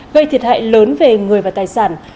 gây thiệt hại lớn về người và tài sản